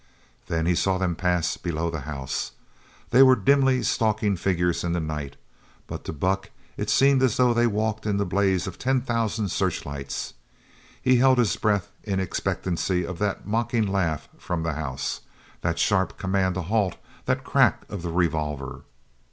Then he saw them pass below the house! They were dimly stalking figures in the night, but to Buck it seemed as though they walked in the blaze of ten thousand searchlights. He held his breath in expectancy of that mocking laugh from the house that sharp command to halt that crack of the revolver.